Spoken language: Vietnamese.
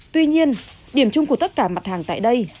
tuy nhiên điểm chung của tất cả mặt hàng tại đây